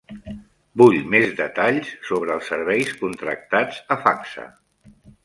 Vull més detalls sobre els serveis contractats a Facsa.